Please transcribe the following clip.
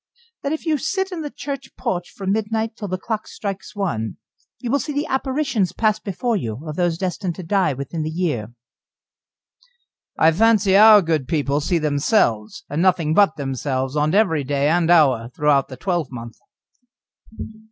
"That if you sit in the church porch from midnight till the clock strikes one, you will see the apparitions pass before you of those destined to die within the year." "I fancy our good people see themselves, and nothing but themselves, on every day and hour throughout the twelvemonth."